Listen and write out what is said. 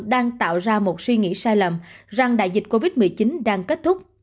đang tạo ra một suy nghĩ sai lầm rằng đại dịch covid một mươi chín đang kết thúc